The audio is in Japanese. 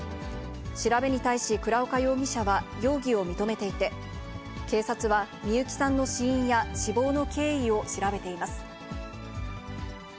調べに対し倉岡容疑者は、容疑を認めていて、警察は美友紀さんの死因や死亡の経緯を調べています。